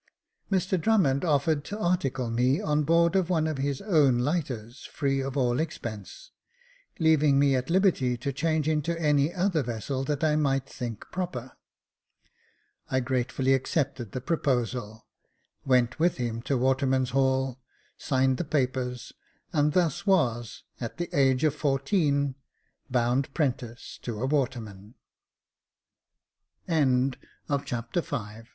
Mr Drummond offered to article me on board of one of his own lighters free of all expense, leaving me at liberty to change into any other vessel that I might think proper. I gratefully accepted the proposal, went with him to Water men's Hall, signed the papers, and thus was, at the age of fourteen, " Bound ^prentice to a waterman